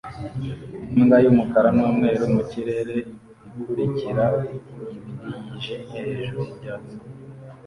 Imbwa yumukara numweru mu kirere ikurikira ibiri yijimye hejuru yibyatsi